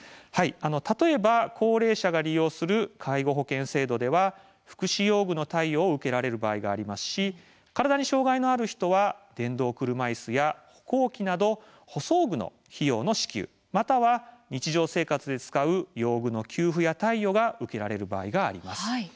例えば高齢者が利用する介護保険制度では福祉用具の貸与を受けられる場合がありますし体に障害のある人は電動車いすや歩行器など補装具の費用の支給または日常生活で使う用具の給付や貸与が受けられる場合があります。